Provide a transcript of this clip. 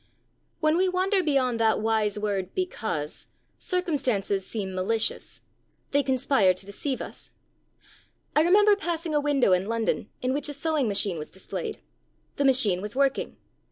When we wander beyond that wise word 'because' circumstances seem malicious; they conspire to deceive us. I remember passing a window in London in which a sewing machine was displayed. The machine was working.